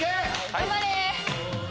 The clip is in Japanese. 頑張れ！